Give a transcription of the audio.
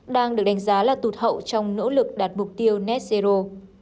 đang được đánh giá là tụt hậu trong nỗ lực đạt mục tiêu net zero